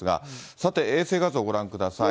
さて、衛星画像をご覧ください。